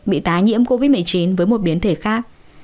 bị tái nhiễm covid một mươi chín với một biến thể khác